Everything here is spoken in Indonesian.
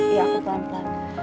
iya aku pelan pelan